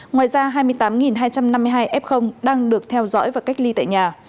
ngoài ra hai mươi tám hai trăm năm mươi hai f đang được theo dõi và cách ly tại nhà